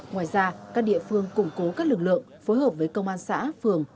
ngoài ra các địa phương củng cố các lực lượng phối hợp với công an xã phường